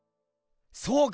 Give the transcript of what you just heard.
そうか！